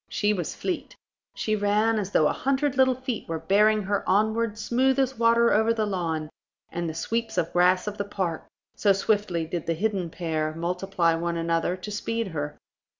She was fleet; she ran as though a hundred little feet were bearing her onward smooth as water over the lawn and the sweeps of grass of the park, so swiftly did the hidden pair multiply one another to speed her.